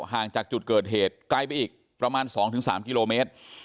ห่างจากจุดเกิดเหตุไกลไปอีกประมาณ๒๓กิโลเมตร